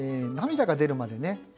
泪が出るまでね